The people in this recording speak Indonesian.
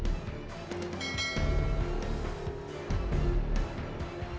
kamu bukan karaktere kunci itu yang bahkan disana seribu dua ratus enam makhluk penjahat